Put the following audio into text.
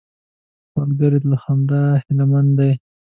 سوالګر له خدایه هیلمن دی